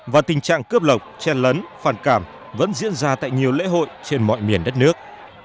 và tình trạng cướp lộc chen lấn phản cảm vẫn diễn ra tại nhiều lễ hội trên mọi miền đất nước